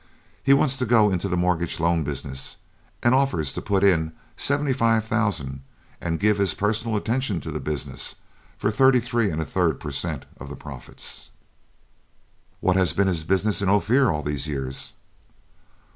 He wants to go into the mortgage loan business, and offers to put in seventy five thousand and give his personal attention to the business for thirty three and a third per cent. of the profits." "What has been his business in Ophir all these years?"